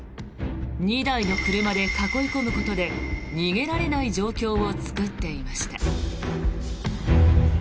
２台の車で囲い込むことで逃げられない状況を作っていました。